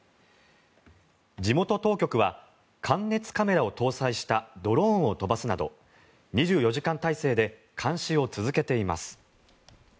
地元当局は感熱カメラを搭載したドローンを飛ばすなど２４時間体制で監視を続けています。